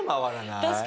確かに。